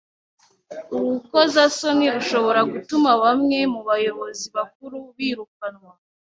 Urukozasoni rushobora gutuma bamwe mu bayobozi bakuru birukanwa.